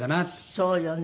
そうよね。